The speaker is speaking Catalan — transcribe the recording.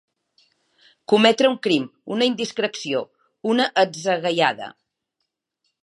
Cometre un crim, una indiscreció, una atzagaiada.